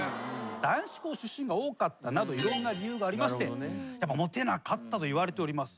男子校出身が多かったなどいろんな理由がありましてモテなかったといわれております。